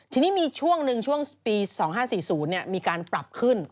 ทีนี้มีช่วงหนึ่งช่วงปี๒๕๔๐มีการปรับขึ้น